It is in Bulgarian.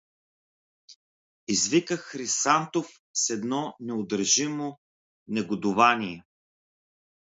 — извика Хрисантов с едно неудържимо чегодувание.